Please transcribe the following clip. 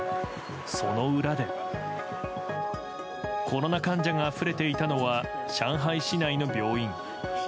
その裏でコロナ患者があふれていたのは上海市内の病院。